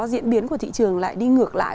diễn biến của thị trường lại đi ngược lại